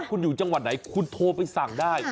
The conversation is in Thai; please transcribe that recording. คุณอยู่จังหวัดไหนคุณโทรไปสั่งได้